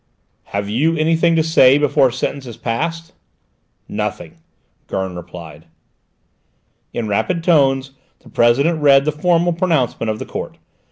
"Have you anything to say before sentence is passed?" "Nothing," Gurn replied. In rapid tones the President read the formal pronouncement of the Court.